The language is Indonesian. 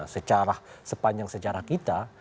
secara sepanjang sejarah kita